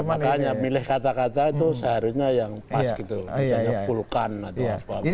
makanya milih kata kata itu seharusnya yang pas gitu misalnya vulkan atau apa